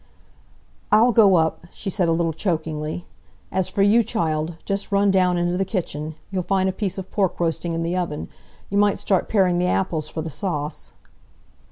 "I'll go up," she said a little chokingly. "As for you, child, just run down into the kitchen. You'll find a piece of pork roasting in the oven. You might start paring the apples for the sauce."